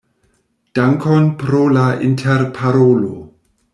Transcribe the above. Dankon pro la interparolo.